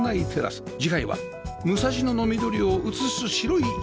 次回は武蔵野の緑を映す白い家